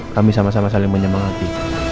kami sama sama saling menyemangati